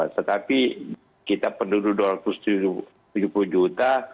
tetapi kita penduduk dua ratus tujuh puluh juta